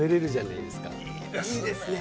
いいですね！